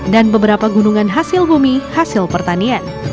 dan beberapa gunungan hasil bumi hasil pertanian